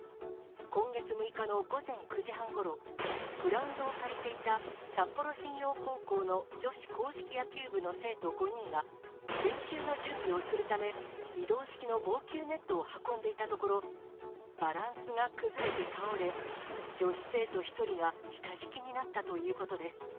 今月６日の午前９時半ごろ、グラウンドを借りていた、札幌新陽高校の女子硬式野球部の生徒５人が、練習の準備をするため、移動式の防球ネットを運んでいたところ、バランスが崩れて倒れ、女子生徒１人が下敷きになったということです。